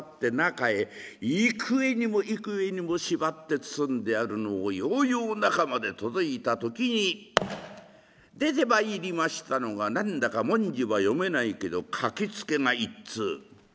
幾重にも幾重にも縛って包んであるのをようよう中まで届いた時に出てまいりましたのが何だか文字は読めないけど書き付けが一通。